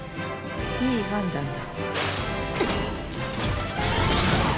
いい判断だ。